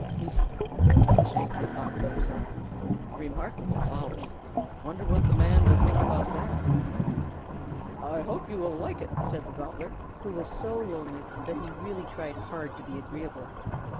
"Humph!" said the Shanghai Cock to himself. "Remarkable fowls! Wonder what the Man will think about that." "I hope you will like it," said the Gobbler, who was so lonely that he really tried hard to be agreeable.